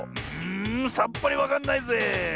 んさっぱりわかんないぜ。